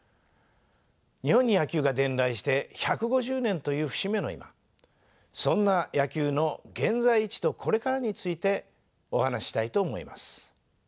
日本に野球が伝来して１５０年という節目の今そんな野球の現在位置とこれからについてお話ししたいと思います。